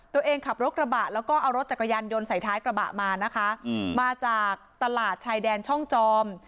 ขับรถกระบะแล้วก็เอารถจักรยานยนต์ใส่ท้ายกระบะมานะคะมาจากตลาดชายแดนช่องจอม